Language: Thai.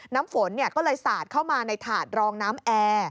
น้ำฝนก็เลยสาดเข้ามาในถาดรองน้ำแอร์